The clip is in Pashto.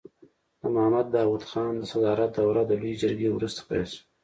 د محمد داود خان د صدارت دوره د لويې جرګې وروسته پیل شوه.